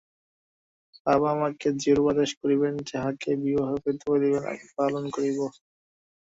বাবা আমাকে যেরূপ আদেশ করিবেন, যাহাকে বিবাহ করিতে বলিবেন, আমি পালন করিব।